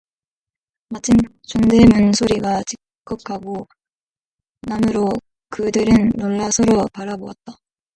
마침 중대문 소리가 찌꺽 하고 나므로 그들은 놀라 서로 바라보았다.